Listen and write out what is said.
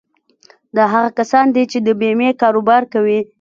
دا هغه کسان دي چې د بيمې کاروبار کوي.